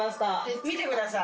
見てください。